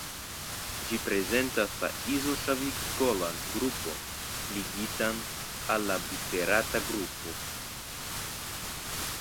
Ĝi prezentas la izoŝavikolan grupon ligitan al la buterata grupo.